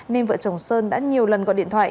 nên vợ chồng sơn đã nhiều lần gọi điện thoại